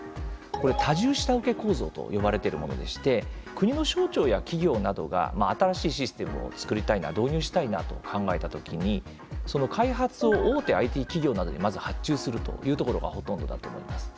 多重下請け構造と呼ばれてるものでして国の省庁や企業などが新しいシステムを作りたいな導入したいなと考えたときにその開発を大手ＩＴ企業などにまず発注するというところがほとんどだと思います。